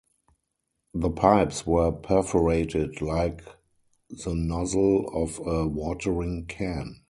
The pipes were perforated like the nozzle of a watering-can.